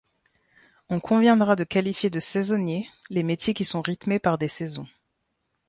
On conviendra de qualifier de saisonniers, les métiers qui sont rythmés par des saisons.